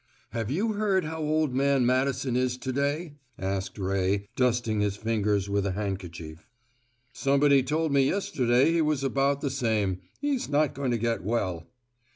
"Have you heard how old man Madison is to day?" asked Ray, dusting his fingers with a handkerchief. "Somebody told me yesterday he was about the same. He's not going to get well."